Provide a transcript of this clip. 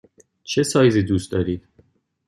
چه سایزی دوست دارید؟